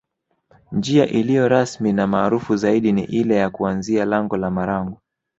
Njia iliyo rahisi na maarufu zaidi ni ile ya kuanzia lango la Marangu